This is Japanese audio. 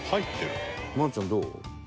愛菜ちゃんどう？